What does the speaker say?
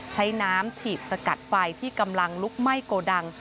ใช้น้ำฉีดสกัดไฟที่กำลังลุกไหม้โกดัง